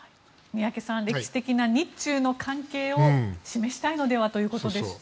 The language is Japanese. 宮家さん、歴史的な日中の関係を示したいのではということですが。